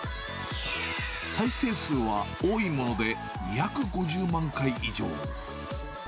再生数は、多いもので２５０万回以上。